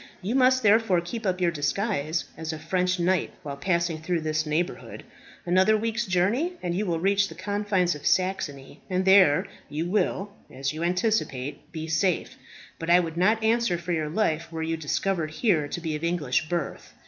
You must therefore keep up your disguise as a French knight while passing through this neighbourhood. Another week's journeying, and you will reach the confines of Saxony, and there you will, as you anticipate, be safe. But I would not answer for your life were you discovered here to be of English birth.